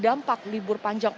dampak libur panjang